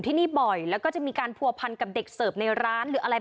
ที่นี่บ่อยแล้วก็จะมีการผัวพันกับเด็กเสิร์ฟในร้านหรืออะไร